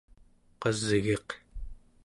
qasgiq